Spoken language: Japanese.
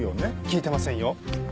聞いてませんよ。